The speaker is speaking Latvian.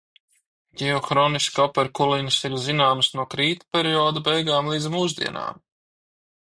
Ģeohronoloģiski operkulinas ir zināmas no krīta perioda beigām līdz mūsdienām.